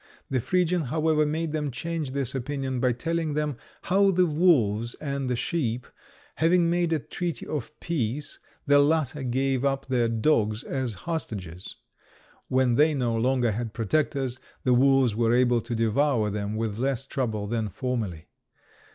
The Phrygian, however, made them change this opinion by telling them how the wolves and the sheep, having made a treaty of peace, the latter gave up their dogs as hostages. When they no longer had protectors, the wolves were able to devour them with less trouble than formerly.